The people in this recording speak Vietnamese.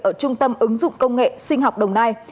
ở trung tâm ứng dụng công nghệ sinh học đồng nai